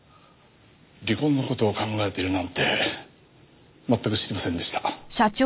離婚の事を考えているなんて全く知りませんでした。